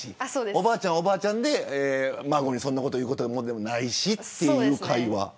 おばあちゃんは、おばあちゃんで孫に言うことでもないという会話。